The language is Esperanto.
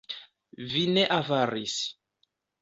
Vi ne avaris!